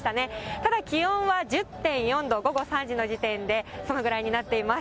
ただ、気温は１０．４度、午後３時の時点で、このぐらいになっています。